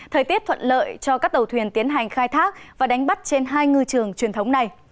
thời tiết thuận lợi cho các tàu thuyền tiến hành khai thác và đánh bắt trên hai ngư trường truyền thống này